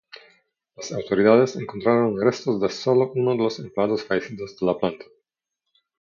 Las autoridades encontraron restos de sólo uno de los empleados fallecidos de la planta.